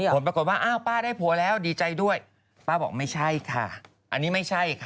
ผลปรากฏว่าอ้าวป้าได้ผัวแล้วดีใจด้วยป้าบอกไม่ใช่ค่ะอันนี้ไม่ใช่ค่ะ